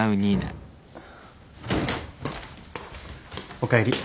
・おかえり。